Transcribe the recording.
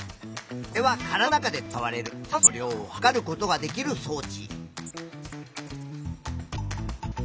これは体の中で使われる酸素の量を測ることができる装置。